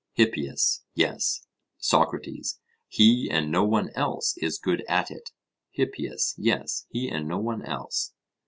HIPPIAS: Yes. SOCRATES: He and no one else is good at it? HIPPIAS: Yes, he and no one else.